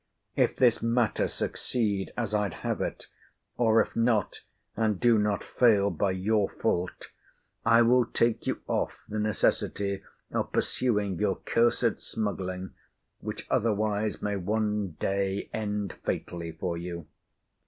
If this matter succeed as I'd have it, (or if not, and do not fail by your fault,) I will take you off the necessity of pursuing your cursed smuggling; which otherwise may one day end fatally for you.